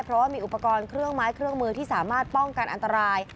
เพราะว่ามีอุปกรณ์เครื่องไม้เครื่องมือที่สามารถป้องกันอันตราย